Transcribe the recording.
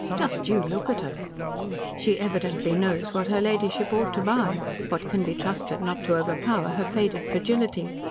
"Just you look at her." She evidently knows what her ladyship ought to buy what can be trusted not to overpower her faded fragility.